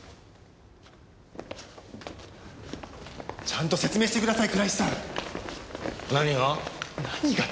ちゃんと説明してください倉石さん。何が？